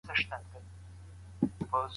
حق پالنه زموږ د عزت سبب ګرځي.